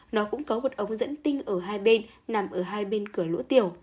nó cũng có một ống dẫn tinh ở hai bên nằm ở hai bên cửa lỗ tiểu